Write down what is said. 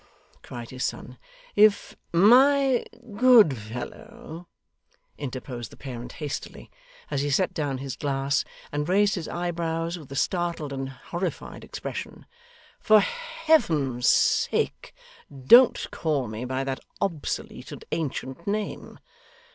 cried his son, 'if ' 'My good fellow,' interposed the parent hastily, as he set down his glass, and raised his eyebrows with a startled and horrified expression, 'for Heaven's sake don't call me by that obsolete and ancient name.